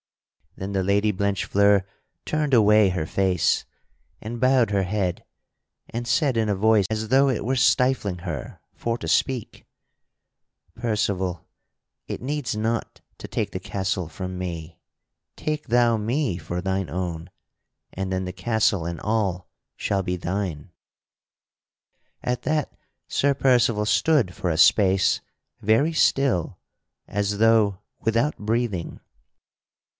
Then the Lady Blanchefleur turned away her face and bowed her head, and said in a voice as though it were stifling her for to speak: "Percival, it needs not to take the castle from me; take thou me for thine own, and then the castle and all shall be thine." [Sidenote: Sir Percival denies the Lady Blanchefleur] At that Sir Percival stood for a space very still as though without breathing.